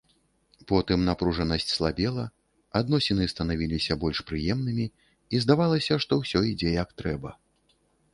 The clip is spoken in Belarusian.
Потым напружанасць слабела, адносіны станавіліся больш прыемнымі, і здавалася, што ўсё ідзе як трэба.